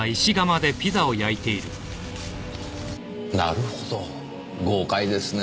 なるほど豪快ですね。